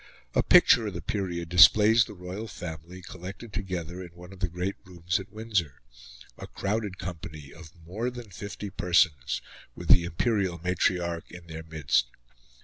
A picture of the period displays the royal family collected together in one of the great rooms at Windsor a crowded company of more than fifty persons, with the imperial matriarch in their midst.